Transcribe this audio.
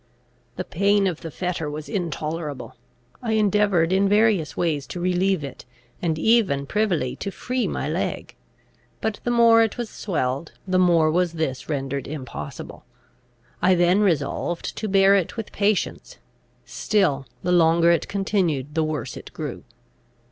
The pain of the fetter was intolerable. I endeavoured in various ways to relieve it, and even privily to free my leg; but the more it was swelled, the more was this rendered impossible. I then resolved to bear it with patience: still, the longer it continued, the worse it grew.